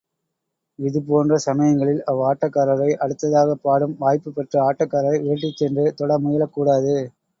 இதுபோன்ற சமயங்களில் அவ்வாட்டக்காரரை, அடுத்ததாகப் பாடும் வாய்ப்புப் பெற்ற ஆட்டக்காரர் விரட்டிச் சென்று தொட முயலக் கூடாது.